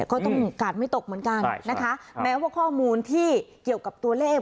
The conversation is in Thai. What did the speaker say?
ก็ต้องกาดไม่ตกเหมือนกันนะคะแม้ว่าข้อมูลที่เกี่ยวกับตัวเลข